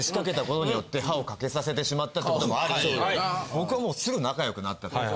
僕はもうすぐ仲良くなったっていうか。